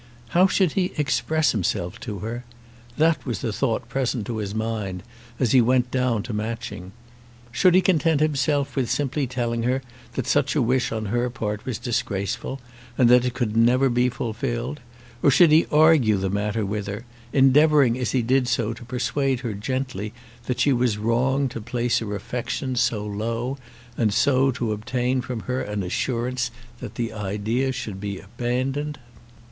How should he express himself to her? That was the thought present to his mind as he went down to Matching. Should he content himself with simply telling her that such a wish on her part was disgraceful, and that it could never be fulfilled; or should he argue the matter with her, endeavouring as he did so to persuade her gently that she was wrong to place her affections so low, and so to obtain from her an assurance that the idea should be abandoned?